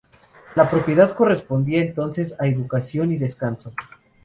La propiedad correspondía entonces a Educación y Descanso.